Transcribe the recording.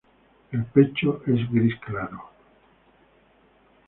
El pecho es gris claro.